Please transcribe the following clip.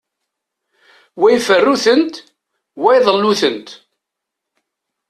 Wa iferru-tent, wa iḍellu-tent.